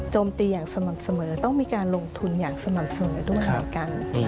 ตีอย่างสม่ำเสมอต้องมีการลงทุนอย่างสม่ำเสมอด้วยเหมือนกัน